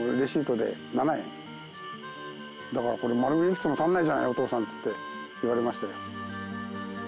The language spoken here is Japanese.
だから「これ丸がいくつも足りないじゃないお父さん」っつって言われましたよ。